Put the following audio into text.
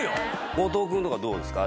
後藤君とかどうですか？